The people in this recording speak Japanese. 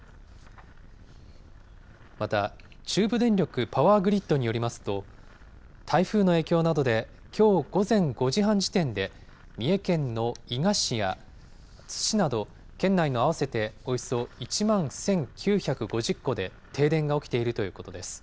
また中部電力パワーグリッドによりますと、台風の影響などできょう午前５時半時点で、三重県の伊賀市や津市など県内の合わせておよそ１万１９５０戸で停電が起きているということです。